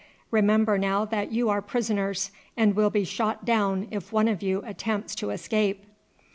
Remember now that you are prisoners, and will be shot down if one of you attempts to escape."